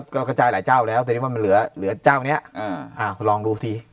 ก็กระจายหลายเจ้าแล้วตอนนี้ว่ามันเหลือเจ้านี้คุณลองดูสิ